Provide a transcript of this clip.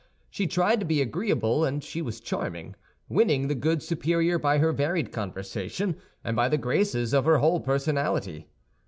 She tried to be agreeable, and she was charming, winning the good superior by her varied conversation and by the graces of her whole personality.